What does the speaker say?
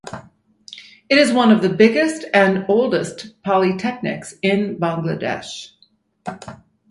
It is one of the biggest and oldest polytechnics in Bangladesh.